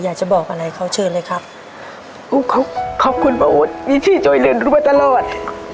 อยากจะบอกอะไรเขาเชิญเลยครับขอบคุณพ่ออู๋ดยิทธิโจยเรือนรับตลอด